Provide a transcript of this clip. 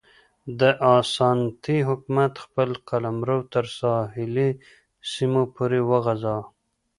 د اسانتي حکومت خپل قلمرو تر ساحلي سیمو پورې وغځاوه.